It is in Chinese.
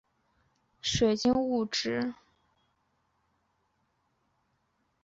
结晶水合物是指含有结晶水的物质。